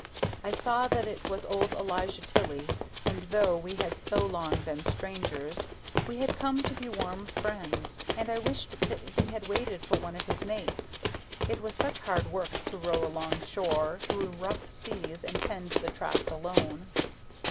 I saw that it was old Elijah Tilley, and though we had so long been strangers we had come to be warm friends, and I wished that he had waited for one of his mates, it was such hard work to row along shore through rough seas and tend the traps alone.